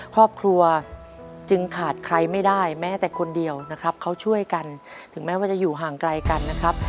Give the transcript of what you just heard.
ครอบครัวจึงขาดใครไม่ได้แม้แต่คนเดียวนะครับเขาช่วยกันถึงแม้ว่าจะอยู่ห่างไกลกันนะครับ